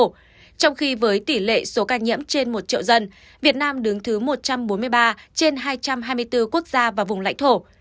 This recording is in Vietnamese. trong khi với tỷ lệ số ca nhiễm trên một triệu dân việt nam đứng thứ một trăm bốn mươi ba trên hai trăm hai mươi bốn quốc gia và vùng lãnh thổ